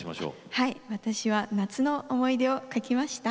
はい私は夏の思い出を描きました。